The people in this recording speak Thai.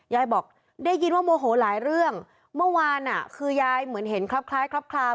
ยายบอกได้ยินว่าโมโหหลายเรื่องเมื่อวานอ่ะคือยายเหมือนเห็นครับคล้ายคลับคลาม